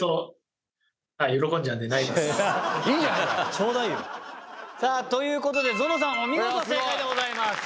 頂戴よ。ということでゾノさんお見事正解でございます。